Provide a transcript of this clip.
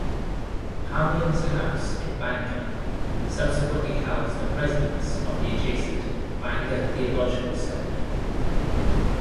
Hamlin's house in Bangor subsequently housed the Presidents of the adjacent Bangor Theological Seminary.